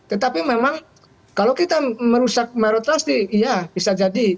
tetapi memang kalau kita merusak merodlasti iya bisa jadi